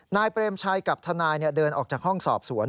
เปรมชัยกับทนายเดินออกจากห้องสอบสวน